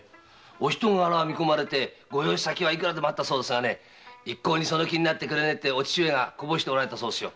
お人柄を見込まれてご養子先はいくらでもあったのに一向にその気にならないとお父上がこぼしておられたそうですよ。